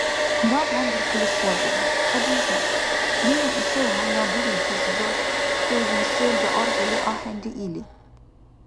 Наб гьанбиркули саби, Хадижат, нуни ишар гьанна дурибтазибад хӀуни селра аргъили ахӀенри или.